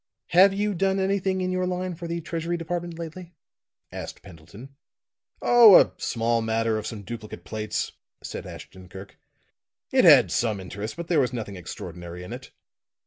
"Have you done anything in your line for the Treasury Department lately?" asked Pendleton. "Oh, a small matter of some duplicate plates," said Ashton Kirk. "It had some interest, but there was nothing extraordinary in it."